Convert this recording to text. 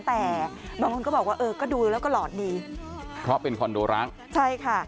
แต่บางคนก็บอกว่าเออก็ดูแล้วก็หลอดดีเพราะเป็นคอนโดร้างใช่ค่ะ